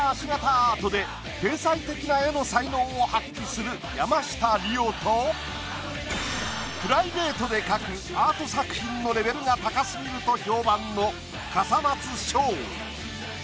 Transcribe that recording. アートで天才的な絵の才能を発揮する山下リオとプライベートで描くアート作品のレベルが高過ぎると評判の笠松将。